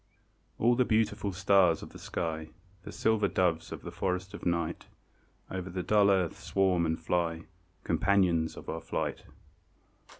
All the beautiful stars of the sky, The silver doves of the forest of Night, Over the dull earth swarm and fly, Companions of our flight.